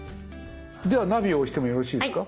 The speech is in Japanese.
ではナビを押してもよろしいですか？